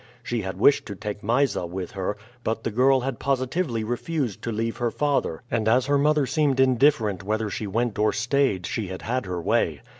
She had wished to take Mysa with her, but the girl had positively refused to leave her father; and as her mother seemed indifferent whether she went or stayed she had had her way.